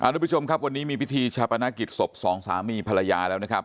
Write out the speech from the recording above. ทุกผู้ชมครับวันนี้มีพิธีชาปนกิจศพสองสามีภรรยาแล้วนะครับ